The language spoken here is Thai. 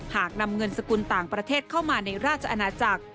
หากนำเงินสกุลต่างประเทศเข้ามาในราชอาณาจักร